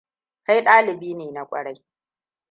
Kai dalibi ne na kwarai.